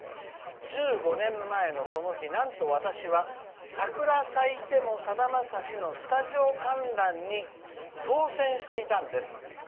１５年前のその日、なんと私は「桜咲いてもさだまさし」のスタジオ観覧に当選していたんです。